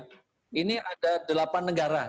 begini semua samalah begitu ya